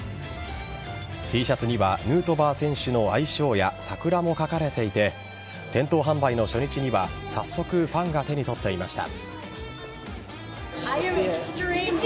Ｔシャツにはヌートバー選手の愛称や桜も描かれていて店頭販売の初日には早速ファンが手に取っていました。